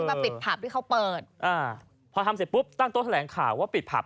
มาปิดผับที่เขาเปิดอ่าพอทำเสร็จปุ๊บตั้งโต๊ะแถลงข่าวว่าปิดผับ